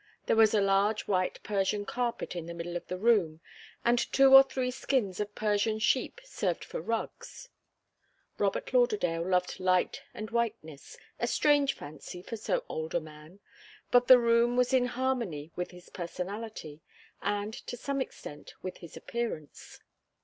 There was a large white Persian carpet in the middle of the room, and two or three skins of Persian sheep served for rugs. Robert Lauderdale loved light and whiteness, a strange fancy for so old a man; but the room was in harmony with his personality, and, to some extent, with his appearance.